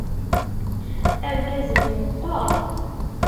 Argaz-nni meqqeṛ.